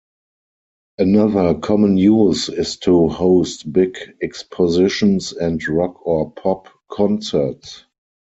Another common use is to host big expositions and rock or pop concerts.